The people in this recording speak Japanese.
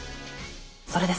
それです。